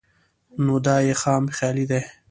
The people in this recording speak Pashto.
نو دا ئې خام خيالي ده